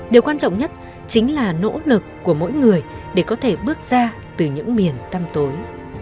điều quan trọng nhất chính là nỗ lực của mỗi người để có thể bước ra từ những miền tăm tối